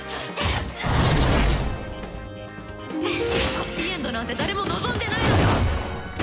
ハッピーエンドなんて誰も望んでないのよ！